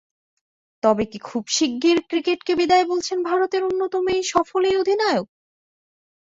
তবে কি খুব শিগগির ক্রিকেটকে বিদায় বলছেন ভারতের অন্যতম সফল এই অধিনায়ক?